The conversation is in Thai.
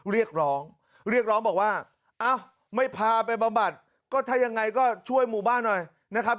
เรียกร้องเรียกร้องบอกว่าอ้าวไม่พาไปบำบัดก็ถ้ายังไงก็ช่วยหมู่บ้านหน่อยนะครับ